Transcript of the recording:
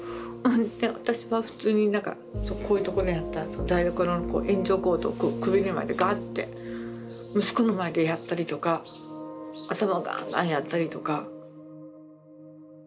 で私は普通に何かこういうところにあった台所の延長コードをこう首に巻いてガーッて息子の前でやったりとか頭ガンガンやったりとか。